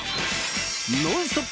「ノンストップ！」